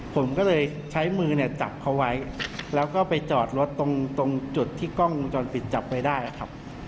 ผมก็เลยใช้มือเนี่ยจับเขาไว้แล้วก็ไปจอดรถตรงจุดที่กล้องวงจรปิดจับไว้ได้นะครับ